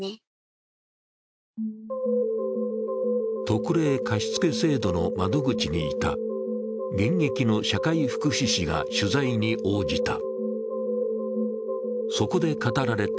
特例貸付制度の窓口にいた現役の社会福祉士が取材に応じた。